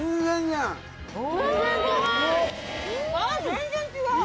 全然違う！